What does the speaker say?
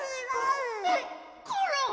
えっコロン！